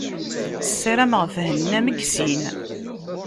Sarameɣ thennam deg sin.